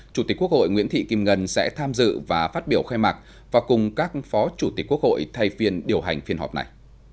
chủ tịch quốc hội nguyễn thị kim ngân sẽ tham dự và phát biểu khai mạc và cùng các phó chủ tịch quốc hội thay phiên điều hành phiên họp này